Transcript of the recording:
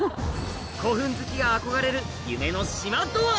古墳好きが憧れる夢の島とは？